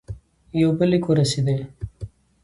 یو بل لیک ورسېدی.